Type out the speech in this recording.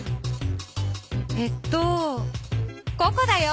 えっとココだよ。